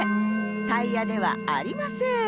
タイヤではありません。